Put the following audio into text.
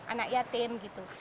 anak yatim gitu